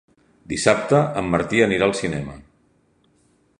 Dissabte en Martí anirà al cinema.